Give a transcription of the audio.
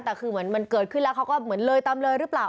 แต่คือเหมือนมันเกิดขึ้นแล้วเขาก็เหมือนเลยตามเลยหรือเปล่า